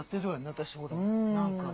私ほら何か。